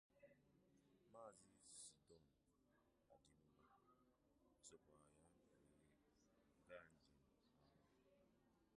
Maazị C-Don Adinuba sokwàrà ya wee gaa njem ahụ.